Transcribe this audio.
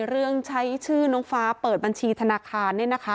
เรื่องใช้ชื่อน้องฟ้าเปิดบัญชีธนาคารเนี่ยนะคะ